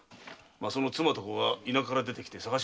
その妻と子が田舎から出てきて捜し回ってるんだ。